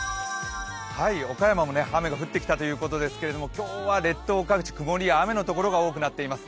岡山も雨が降ってきたということですけれども、今日は列島各地曇りや雨のところが多くなっています。